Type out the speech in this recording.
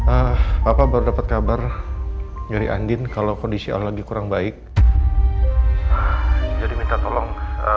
ah papa baru dapat kabar nyari andin kalau kondisi allah lagi kurang baik jadi minta tolong